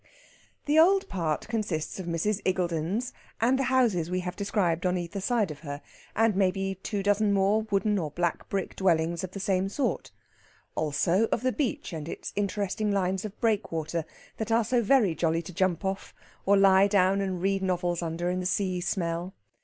The old part consists of Mrs. Iggulden's and the houses we have described on either side of her, and maybe two dozen more wooden or black brick dwellings of the same sort; also of the beach and its interesting lines of breakwater that are so very jolly to jump off or to lie down and read novels under in the sea smell.